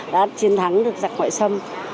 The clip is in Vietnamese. đã chiến thắng được giặc ngoại xâm